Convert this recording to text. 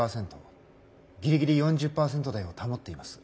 ギリギリ４０％台を保っています。